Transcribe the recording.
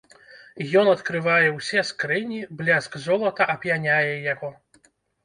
Ён адкрывае усе скрыні, бляск золата ап'яняе яго.